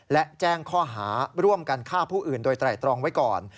และแจ้งข้อหาร่วมกันฆ่าผู้อื่นโดยไตรตรองไว้ก่อน